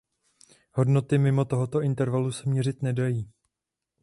Hodnoty mimo tohoto intervalu se měřit nedají.